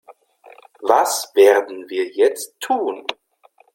Was werden wir jetzt tun?